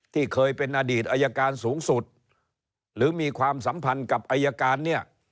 ที่เคยเป็นอดีตอายการสูงสุดหรือมีความสัมพันธ์กับอายการเนี่ย